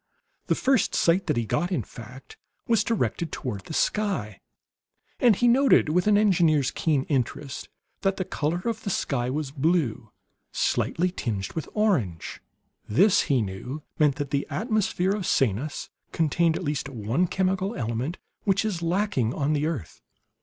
The first sight that he got, in fact, was directed toward the sky; and he noted with an engineer's keen interest that the color of the sky was blue, slightly tinged with orange. This, he knew, meant that the atmosphere of Sanus contained at least one chemical element which is lacking on the earth.